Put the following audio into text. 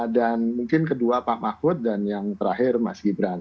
mungkin kedua pak mahfud dan yang terakhir mas gibran